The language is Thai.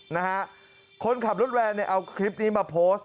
นะฮะคนขับรถแวนเนี่ยเอาคลิปนี้มาโพสต์